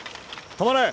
止まれ！